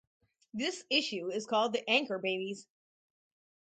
This issue is called the 'anchor babies.